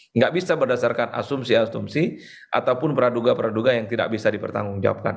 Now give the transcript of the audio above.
tidak bisa berdasarkan asumsi asumsi ataupun praduga praduga yang tidak bisa dipertanggungjawabkan